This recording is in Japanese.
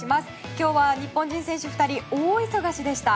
今日は日本人選手２人大忙しでした。